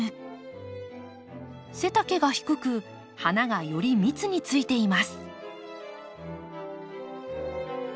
背丈が低く花がより密についています。